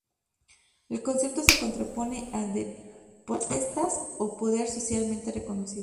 El concepto se contrapone al de "potestas" o "poder" socialmente reconocido.